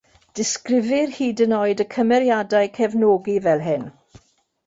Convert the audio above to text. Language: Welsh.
Disgrifir hyd yn oed y cymeriadau cefnogi fel hyn.